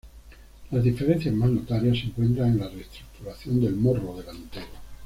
Las diferencias más notorias se encuentran en la reestructuración del morro delantero.